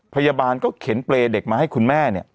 พยาบาลเข็นเปรย์เด็กมาให้คุณแม่